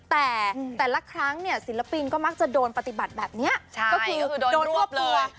แต่แต่ละครั้งเนี่ยศิลปินก็มักจะโดนปฏิบัติแบบนี้ก็คือโดนรวบตัว